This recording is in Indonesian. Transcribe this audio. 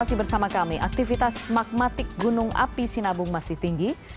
masih bersama kami aktivitas magmatik gunung api sinabung masih tinggi